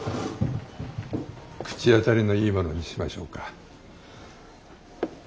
口当たりのいいものにしましょうか。